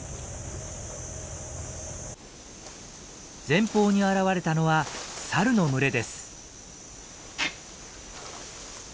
前方に現れたのはサルの群れです。